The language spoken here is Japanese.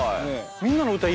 「みんなのうた」